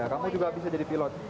kamu juga bisa jadi pilot